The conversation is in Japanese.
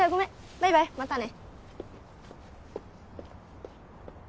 バイバイまたね。